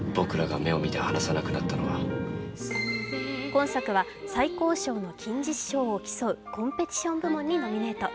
今作は最高賞の金獅子賞を競うコンペティション部門にノミネート。